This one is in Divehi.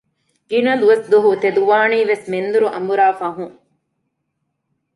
ގިނަ ދުވަސްދުވަހު ތެދުވާނީވެސް މެންދުރުން އަނބުރާ ފަހުން